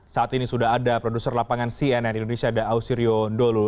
saat ini sudah ada produser lapangan cnn indonesia dausirio ndolu